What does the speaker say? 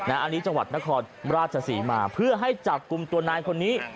อันนี้จังหวัดนครราชศรีมาเพื่อให้จับกลุ่มตัวนายคนนี้